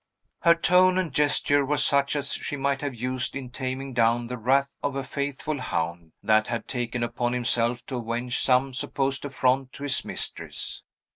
Her tone and gesture were such as she might have used in taming down the wrath of a faithful hound, that had taken upon himself to avenge some supposed affront to his mistress.